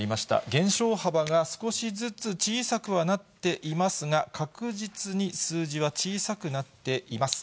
減少幅が少しずつ小さくはなっていますが、確実に数字は小さくなっています。